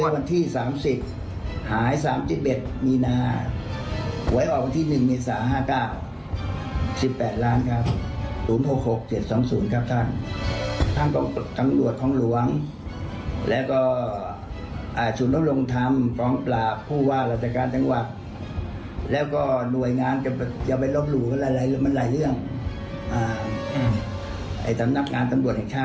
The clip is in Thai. ตอนที่สามสิบหายสามสิบเอ็ดมีนาไว้ออกที่หนึ่งเมษาห้าเก้าสิบแปดล้านครับศูนย์หกหกเจ็ดสองศูนย์ครับท่านท่านกรรมกรรมกรรมกรรมกรรมกรรมกรรมกรรมกรรมกรรมกรรมกรรมกรรมกรรมกรรมกรรมกรรมกรรมกรรมกรรมกรรมกรรมกรรมกรรมกรรมกรรมกรรมกรรมกรรมกรรมกรรมกรรมกรรมกร